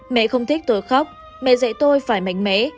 mẹ không thích tôi khóc mẹ dạy tôi phải mạnh mẽ